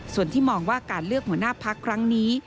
ส่วนที่มองว่าการเลือกหัวหน้าพักครั้งนี้